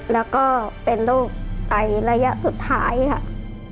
แล้วก็เป็นลูกไตรยะสุดท้ายครับ